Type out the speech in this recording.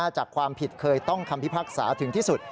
จากความผิดเคยต้องคำพิพากษาถึงที่สุด